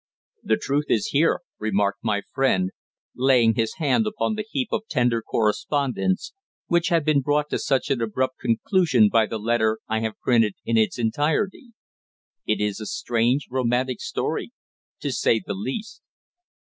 "The truth is here," remarked my friend, laying his hand upon the heap of tender correspondence which had been brought to such an abrupt conclusion by the letter I have printed in its entirety. "It is a strange, romantic story, to say the least."